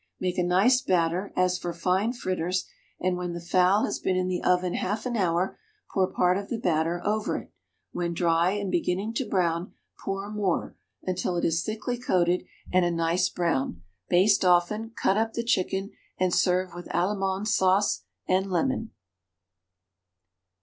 Make a nice batter, as for fine fritters, and when the fowl has been in the oven half an hour, pour part of the batter over it; when dry and beginning to brown, pour more, until it is thickly coated and a nice brown; baste often; cut up the chicken, and serve with Allemande sauce and lemon.